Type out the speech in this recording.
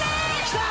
きた！